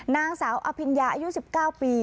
นางสาวอภิญญาอายุ๑๙ปี